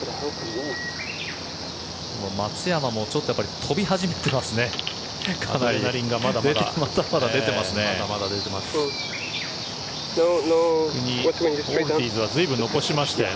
松山もちょっと飛び始めていますね。